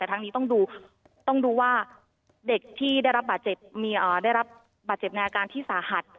แต่ทั้งนี้ต้องดูว่าเด็กที่ได้รับบาดเจ็บได้รับบาดเจ็บในอาการที่สาหัส